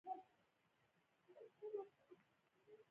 ټپي ته باید د دعا اثر ورکړو.